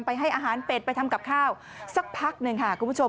ให้อาหารเป็ดไปทำกับข้าวสักพักหนึ่งค่ะคุณผู้ชม